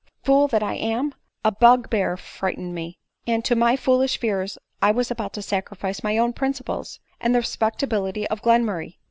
Fool that I am ! a bug bear frightened me ; and to my foolish fears I was about to sacrifice my own principles, and the respectability of Glenmurray.